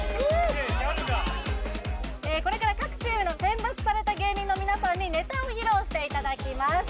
これから各チームの選抜された芸人の皆さんにネタを披露していただきます